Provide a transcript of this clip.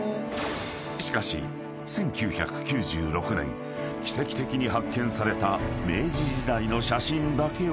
［しかし１９９６年奇跡的に発見された明治時代の写真だけを手掛かりに］